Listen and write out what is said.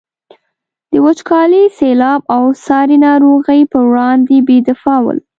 د وچکالي، سیلاب او ساري ناروغیو پر وړاندې بې دفاع ول.